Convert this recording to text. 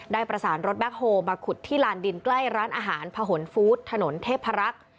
ได้ประสานรถแบ็คโฮลมาขุดที่ลานดินใกล้ร้านอาหารผนฟู้ดถนนเทพรักษ์